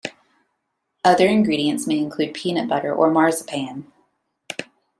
Other ingredients may include peanut butter or marzipan.